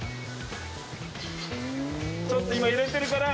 ちょっと今入れてるから。